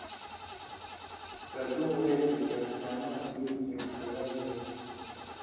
کدُوں وے تے شڑشماں تیل اکٹھِرا گلے